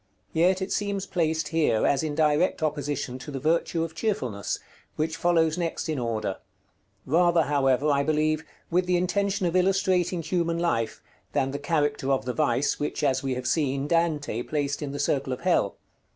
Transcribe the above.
Yet it seems placed here as in direct opposition to the virtue of Cheerfulness, which follows next in order; rather, however, I believe, with the intention of illustrating human life, than the character of the vice which, as we have seen, Dante placed in the circle of hell.